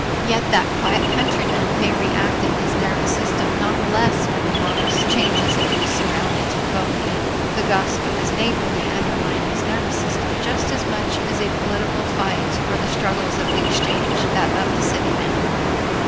Yet that quiet countryman may react in his narrow system not less when the modest changes in his surroundings provoke him. The gossip of his neighbor may undermine his nervous system just as much as a political fight or the struggles of the exchange that of the city man.